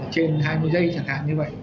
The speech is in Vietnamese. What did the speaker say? trên hai mươi giây chẳng hạn như vậy